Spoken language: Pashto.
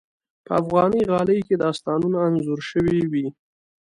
په افغاني غالۍ کې داستانونه انځور شوي وي.